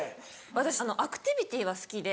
私アクティビティーは好きで。